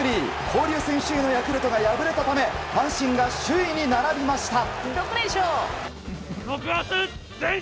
交流戦首位のヤクルトが敗れたため阪神が首位に並びました。